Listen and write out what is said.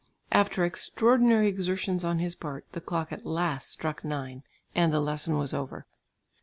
After extraordinary exertions on his part, the clock at last struck nine, and the lesson was over.